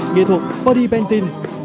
nghệ thuật body painting